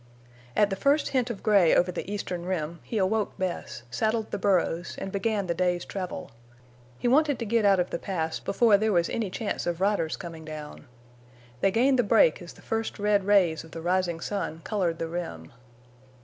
At the first hint of gray over the eastern rim he awoke Bess, saddled the burros, and began the day's travel. He wanted to get out of the Pass before there was any chance of riders coming down. They gained the break as the first red rays of the rising sun colored the rim.